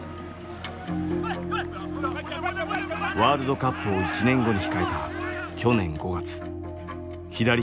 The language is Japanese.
ワールドカップを１年後に控えた去年５月。